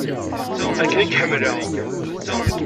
Akken i k-ḥemmleɣ.